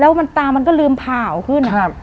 แล้วมันตามันก็ลืมผ่าออกขึ้นอ่ะครับ